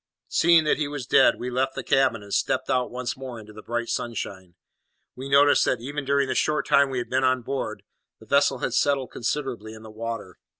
Seeing that he was dead, we left the cabin, and stepped out once more into the bright sunshine. We noticed that, even during the short time we had been on board, the vessel had settled considerably in the water.